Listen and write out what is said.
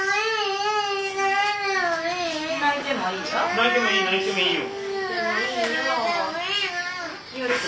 泣いてもいい泣いてもいいよ。